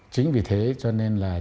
chính vì thế cho nên là